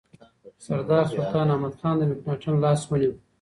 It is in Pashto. سردار سلطان احمدخان د مکناتن لاس ونیو.